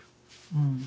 うん。